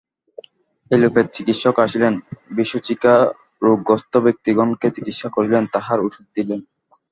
Allopath চিকিৎসক আসিলেন, বিসূচিকা-রোগগ্রস্ত ব্যক্তিগণকে চিকিৎসা করিলেন, তাঁহার ঔষধ দিলেন।